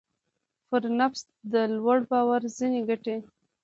پر نفس د لوړ باور ځينې ګټې.